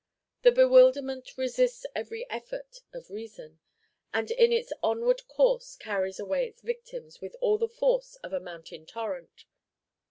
The bewilderment resists every effort of reason, and in its onward course carries away its victims with all the force of a mountain torrent.